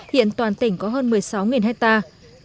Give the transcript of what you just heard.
hiện toàn tỉnh có hơn một mươi sáu hectare